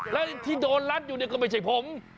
และที่โดนรัดอยู่ก็ไม่ใช่ผม